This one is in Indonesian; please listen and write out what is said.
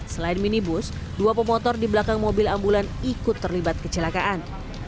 selain minibus dua pemotor di belakang mobil ambulan ikut terlibat kecelakaan